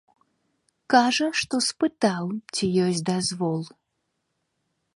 Кажа, што спытаў, ці ёсць дазвол.